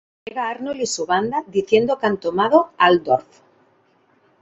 Llega Arnold y su banda, diciendo que han tomado Altdorf.